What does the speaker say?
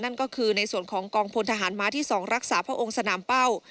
นั่นก็คือในส่วนของกองพลทหารม้าที่๒รักษาพระองค์สนามเป้า